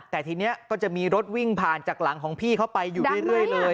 แต่ทีนี้ก็จะมีรถวิ่งผ่านจากหลังของพี่เข้าไปอยู่เรื่อยเลย